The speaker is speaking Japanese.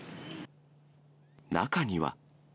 中には。